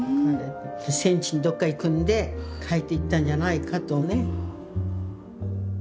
戦地のどっか行くんで書いていったんじゃないかとね。